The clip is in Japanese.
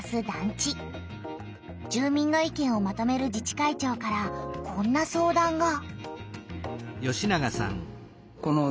住みんの意見をまとめる自治会長からこんな相談が。